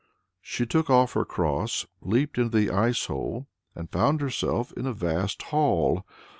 She took off her cross, leaped into the ice hole and found herself in a vast hall.